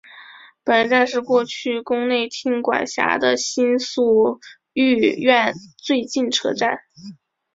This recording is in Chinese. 本站是过去宫内厅管辖的新宿御苑最近车站。